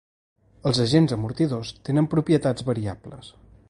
Els agents amortidors tenen propietats variables.